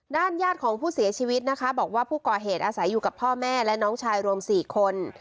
ญาติของผู้เสียชีวิตนะคะบอกว่าผู้ก่อเหตุอาศัยอยู่กับพ่อแม่และน้องชายรวม๔คน